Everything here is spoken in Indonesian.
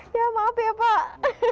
ya maaf ya pak